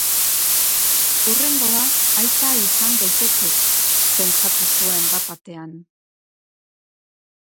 Hurrengoa aita izan daitekek, pentsatu zuen batbatean.